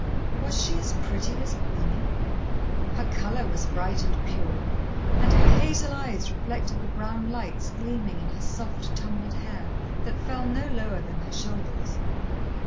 Was she as pretty as Queenie? Her colour was bright and pure, and her hazel eyes reflected the brown lights gleaming in her soft, tumbled hair, that fell no lower than her shoulders.